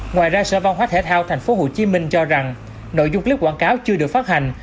ngoài ra sở văn hóa thể thao tp hcm cho rằng nội dung clip quảng cáo chưa được phát hành